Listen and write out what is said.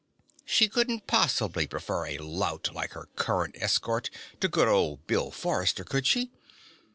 She couldn't possibly prefer a lout like her current escort to good old Bill Forrester, could she?